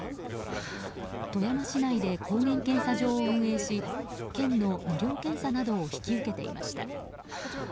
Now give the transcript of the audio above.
富山市内で抗原検査場を運営し県の無料検査などを引き受けていました。